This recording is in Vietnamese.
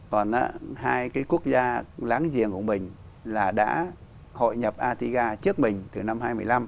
còn hai cái quốc gia láng giềng của mình là đã hội nhập atiga trước mình từ năm hai nghìn một mươi năm